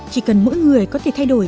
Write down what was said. chỉ cần mỗi người có thể thay đổi